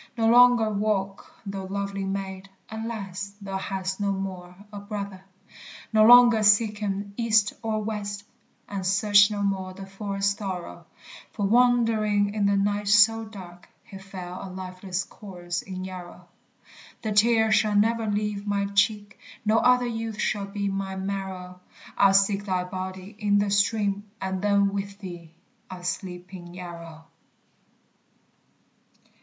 No longer walk, thou lovely maid; Alas, thou hast no more a brother! No longer seek him east or west, And search no more the forest thorough; For, wandering in the night so dark, He fell a lifeless corse in Yarrow. The tear shall never leave my cheek, No other youth shall be my marrow; I'll seek thy body in the stream, And then with thee I'll sleep in Yarrow.